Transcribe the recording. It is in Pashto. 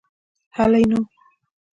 هلئ نو.